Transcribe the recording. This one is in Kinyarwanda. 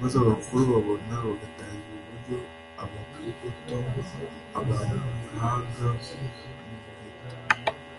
maze abakuru bababona bagatangarira uburyo ari abakogoto (abahanga b’umuheto